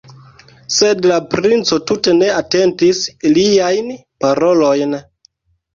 Sed la princo tute ne atentis iliajn parolojn.